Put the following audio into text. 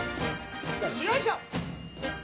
よいしょ！